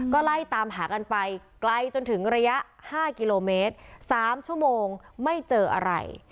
ก็ไล่ตามหากันไปไกลจนถึงระยะ๕กิโลเมตร๓ชั่วโมงไม่เจออะไร